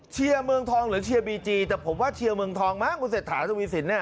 เชียร์เมืองทองหรือเชียร์บีจีแต่ผมว่าเชียร์เมืองทองมั้งคุณเศรษฐาทวีสินเนี่ย